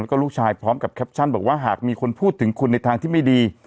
แล้วก็ลูกชายพร้อมกับแคปชั่นบอกว่าหากมีคนพูดถึงคุณในทางที่ไม่ดี